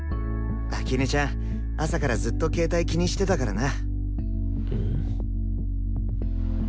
秋音ちゃん朝からずっと携帯気にしてたからな。